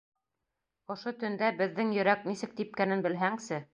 Ошо төндә беҙҙең йөрәк нисек типкәнен белһәңсе?!